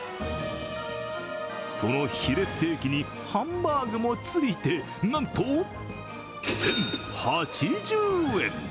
そのヒレステーキにハンバーグもついてなんと１０８０円。